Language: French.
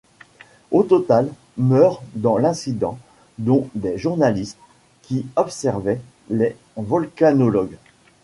Au total, meurent dans l'incident, dont des journalistes qui observaient les volcanologues.